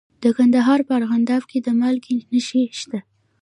د کندهار په ارغنداب کې د مالګې نښې شته.